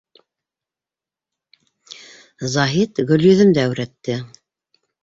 Заһит Гөлйөҙөмдө әүрәтте: